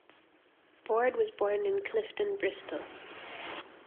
Board was born in Clifton, Bristol.